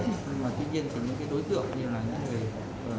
nhưng mà tuy nhiên thì những cái đối tượng như là những người